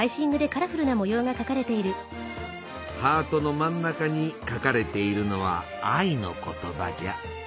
ハートの真ん中に書かれているのは愛の言葉じゃ。